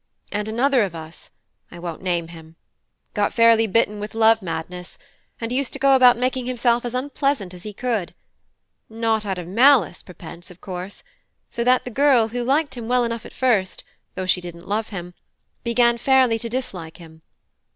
And another of us (I won't name him) got fairly bitten with love madness, and used to go about making himself as unpleasant as he could not of malice prepense, of course; so that the girl, who liked him well enough at first, though she didn't love him, began fairly to dislike him.